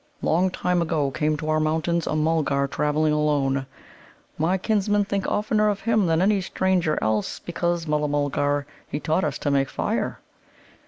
"Long time ago came to our mountains a Mulgar travelling alone. My kinsmen think oftener of him than any stranger else, because, Mulla mulgar, he taught us to make fire.